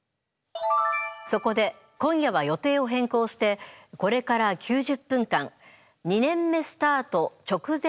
そこで今夜は予定を変更してこれから９０分間「２年目スタート直前！